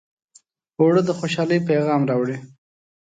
اوړه د خوشحالۍ پیغام راوړي